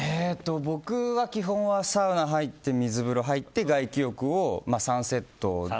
僕は基本はサウナに入って水風呂入って外気浴を３セット。